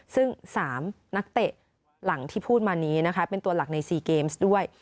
ซึ่ง๓นักเตะหลังที่พูดมานี้นะคะเป็นตัวหลักใน๔เกมส์ด้วย